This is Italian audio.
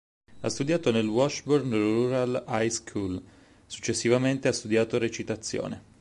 Ha studiato nel Washburn Rural High School, successivamente ha studiato recitazione.